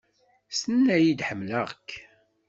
Tenna-yi-d "ḥemmleɣ-k".